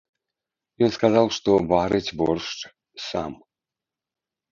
Ён сказаў, што варыць боршч сам.